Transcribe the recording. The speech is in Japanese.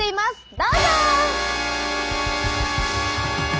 どうぞ！